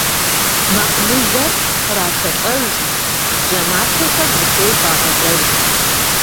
Мэкъумылэр кърашэлӀэж, бжьэматэхэр зыхуей хуагъэзэж.